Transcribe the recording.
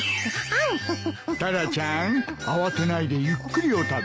タラちゃん慌てないでゆっくりお食べ。